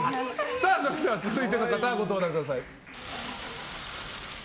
それでは続いての方ご登壇ください。